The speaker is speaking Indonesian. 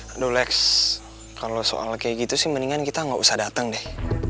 aduh lex kalo soal kayak gitu sih mendingan kita gak usah dateng deh